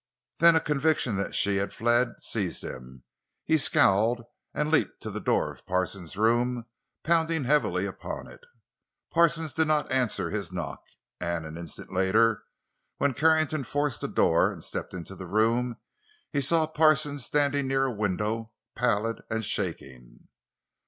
Then a conviction that she had fled seized him; he scowled and leaped to the door of Parsons' room, pounding heavily upon it. Parsons did not answer his knock, and an instant later, when Carrington forced the door and stepped into the room, he saw Parsons standing near a window, pallid and shaking.